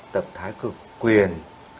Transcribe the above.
tập thái cực quyền